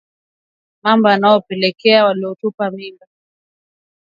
Mambo yanayopelekea ugonjwa kutokea ni utupwaji holela wa uchafu kutoka kwa wanyama waliotupa mimba